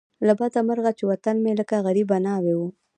له بده مرغه چې وطن مې لکه غریبه ناوې وو.